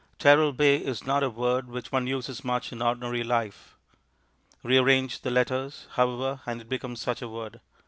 Teralbay is not a word which one uses much in ordinary life. Rearrange the letters, however, and it becomes such a word.